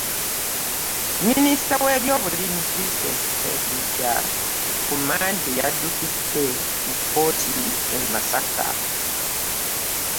Minisita w'ebyobulimi, Vincent Ssempijja, ku Mmande yaddukidde mu kkooti e Masaka